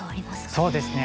そうですね